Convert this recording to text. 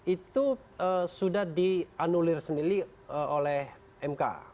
itu sudah dianulir sendiri oleh mk